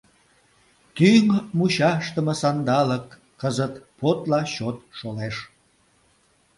Тӱҥ-мучашдыме сандалык кызыт подла чот шолеш.